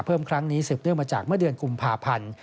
ครั้งนี้สืบเนื่องมาจากเมื่อเดือนกุมภาพันธ์